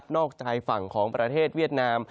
ใจฝั่งของประเทศเวียดนาม